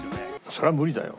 「そりゃ無理だよ」。